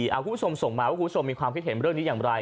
คุณผู้ชมส่งมาว่าคุณผู้ชมมีความคิดเห็นเรื่องนี้อย่างไร